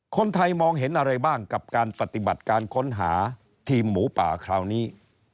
คนไทยมองเห็นอะไรบ้างกับการปฏิบัติการค้นหาทีมหมูป่าคราวนี้